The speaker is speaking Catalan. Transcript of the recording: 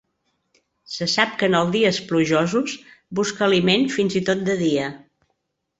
Se sap que en els dies plujosos busca aliment fins i tot de dia.